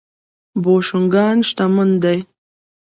بوشونګان شتمن دي.